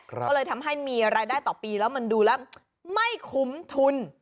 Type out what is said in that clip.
ก็เลยทำให้มีรายได้ต่อปีแล้วมันดูแล้วไม่คุ้มทุน